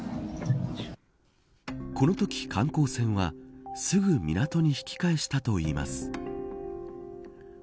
このとき観光船はすぐ港に引き返したといいます。